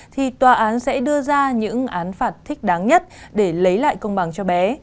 thì tòa án sẽ đưa ra những án phạt thích đáng nhất để lấy lại công bằng cho bé